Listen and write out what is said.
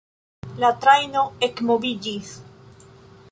La trajno ekmoviĝis.